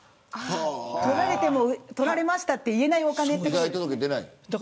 取られても、取られましたと言えないお金ですか。